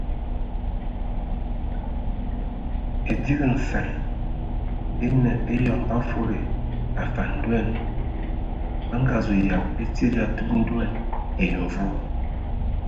Edigi nsan enə eyɔŋ ba fudi afan ndoan bə nga zu yab e tsid ya tub ndoan ai mvu.